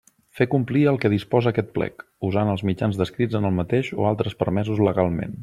Fer complir el que disposa aquest Plec, usant els mitjans descrits en el mateix o altres permesos legalment.